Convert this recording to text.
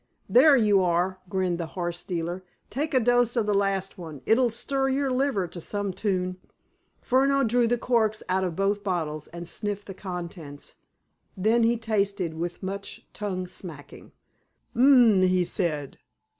"There you are!" grinned the horse dealer. "Take a dose of the last one. It'll stir your liver to some tune." Furneaux drew the corks out of both bottles, and sniffed the contents. Then he tasted, with much tongue smacking. "Um!" he said.